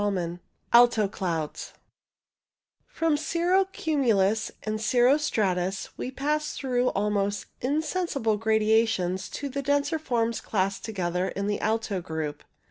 CHAPTER IV ALTO CLOUDS From cirro cumulus and cirro stratus we pass through almost insensible gradations to the denser forms classed together in the alto group.